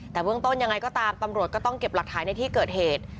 แต่เบื้องต้นยังไงก็ตามตำรวจก็ต้องเก็บหลักฐานในที่เกิดเหตุ